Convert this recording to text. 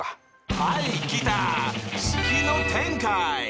はい来た「式の展開」！